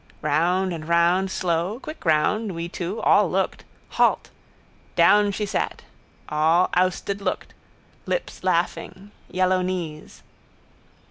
Round and round slow. Quick round. We two. All looked. Halt. Down she sat. All ousted looked. Lips laughing. Yellow knees.